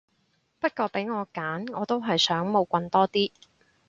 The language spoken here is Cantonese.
不過俾我揀我都係想冇棍多啲